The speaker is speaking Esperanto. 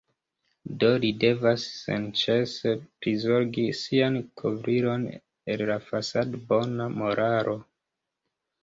Do li devas senĉese prizorgi sian kovrilon el fasadbona moralo.